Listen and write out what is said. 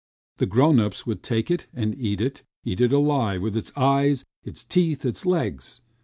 The grown ups would take it and eat it, eat it alive with its eyes, its teeth, its legs!